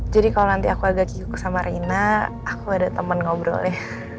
jadi kalau nanti aku agak giguk sama rena aku ada temen ngobrol nih